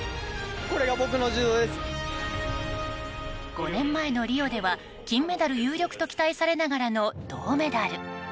５年前のリオでは金メダル有力とされながらも銅メダル。